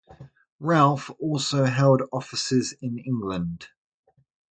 Ralph also held offices in England.